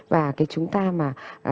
và cái chúng ta mà